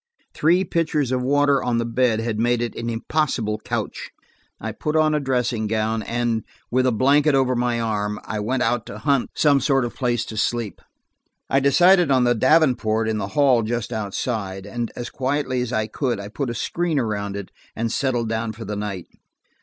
Three pitchers of water on the bed had made it an impossible couch. I put on a dressing gown, and, with a blanket over my arm, I went out to hunt some sort of place to sleep. I decided on the davenport in the hall just outside, and as quietly as I could, I put a screen around it and settled down for the night.